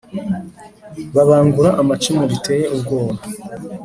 babangura amacumu biteye ubwoba.